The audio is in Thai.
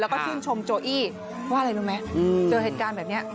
แล้วก็ชื่นชมโจอี้ว่าอะไรรู้ไหมเจอเหตุการณ์แบบนี้